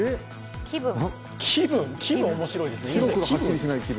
気分、面白いですね。